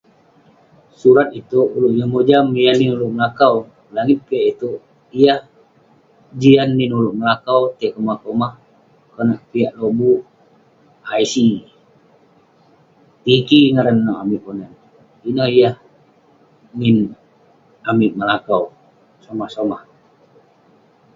Surat itouk ulouk yeng mojam yah nin ulouk melakau. Langit piak itouk yah jian nin ulouk melakau tai komah komah, konak piak lobuk ; ic. Tiki ngaran nouk amik Ponan. Ineh yah nin amik melakau somah somah.